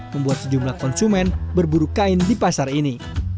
membuat sejumlah konsumen berburu kain di pasar ini